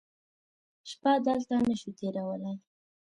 شپه دلته نه شو تېرولی.